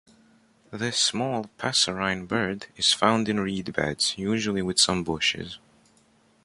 This small passerine bird is found in reed beds, usually with some bushes.